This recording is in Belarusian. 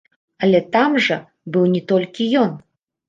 Але там жа быў не толькі ён.